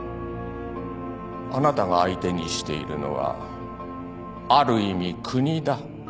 あなたが相手にしているのはある意味国だ。